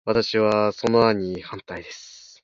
私は、その案に反対です。